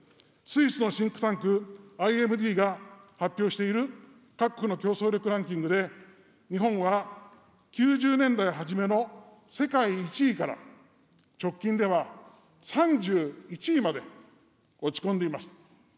スイスのシンクタンク、ＩＭＤが発表している各国の競争力ランキングで、日本は９０年代初めの世界１位から、直近では３１位まで落ち込んでいます。